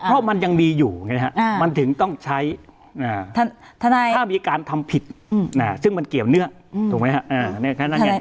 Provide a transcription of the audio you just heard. เพราะมันยังมีอยู่มันถึงต้องใช้ถ้ามีการทำผิดซึ่งมันเกี่ยวเนื่องถูกไหมครับ